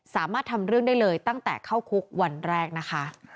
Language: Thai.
สามารถทำเรื่องได้เลยตั้งแต่เข้าคุกวันแรกนะคะ